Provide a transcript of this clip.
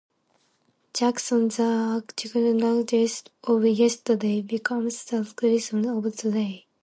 Jackson, the archaeologist of yesterday, becomes the cricketer of today.